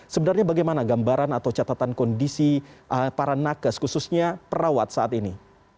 sebenarnya bagaimana gambaran atau catatan kondisi para nakes khususnya perawat saat ini